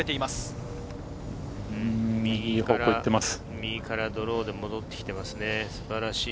右からドローで戻ってきています。